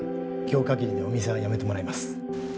今日かぎりでお店は辞めてもらいます。